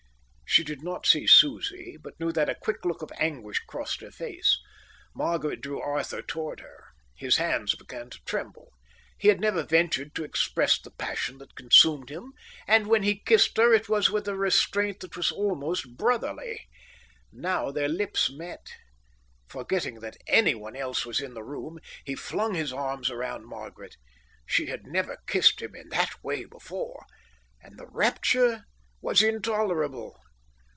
She did not see Susie, but knew that a quick look of anguish crossed her face. Margaret drew Arthur towards her. His hands began to tremble. He had never ventured to express the passion that consumed him, and when he kissed her it was with a restraint that was almost brotherly. Now their lips met. Forgetting that anyone else was in the room, he flung his arms around Margaret. She had never kissed him in that way before, and the rapture was intolerable.